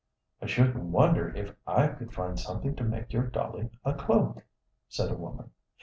"I shouldn't wonder if I could find something to make your dolly a cloak," said a woman.